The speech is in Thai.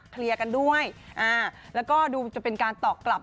เคลียร์กันด้วยอ่าแล้วก็ดูจะเป็นการตอบกลับ